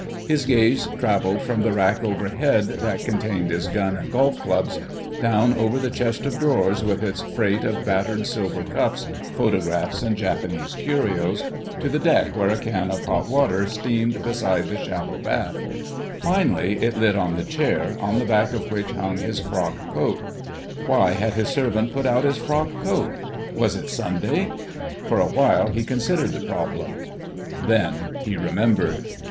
His gaze travelled from the rack overhead that contained his gun and golf clubs, down over the chest of drawers with its freight of battered silver cups, photographs, and Japanese curios, to the deck where a can of hot water steamed beside the shallow bath; finally it lit on the chair, on the back of which hung his frock coat. Why had his servant put out his frock coat? Was it Sunday? For a while he considered the problem. Then he remembered.